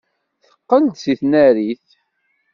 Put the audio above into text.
Teqqel-d seg tnarit.